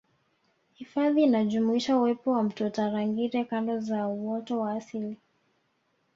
Hifadhi inajumuisha uwepo wa Mto Tarangire Kanda za Uoto wa asili